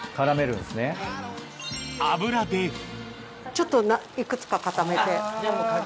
ちょっと幾つか固めて。